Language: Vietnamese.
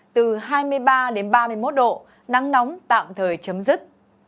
từ hai mươi ba đến ba mươi một độ nắng nóng tạm thời chấm dứt